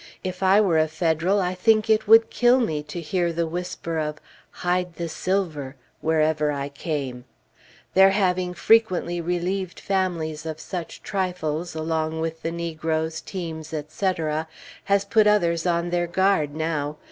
If I were a Federal, I think it would kill me to hear the whisper of "Hide the silver" wherever I came. Their having frequently relieved families of such trifles, along with negroes, teams, etc., has put others on their guard now.